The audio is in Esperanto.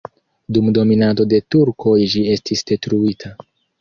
Dum dominado de turkoj ĝi estis detruita.